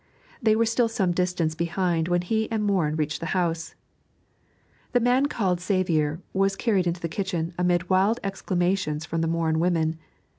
They were still some distance behind when he and Morin reached the house. The man called Xavier was carried into the kitchen amid wild exclamations from the Morin women.